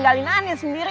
gada yang sabar